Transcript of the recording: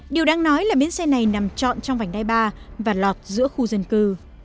điều đang nói là bến xe này nằm trọn trong vảnh đai ba và lọt giữa khu dân cư